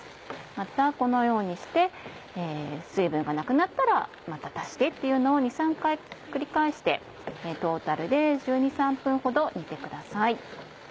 またこのようにして水分がなくなったらまた足してっていうのを２３回繰り返してトータルで１２１３分ほど煮てください。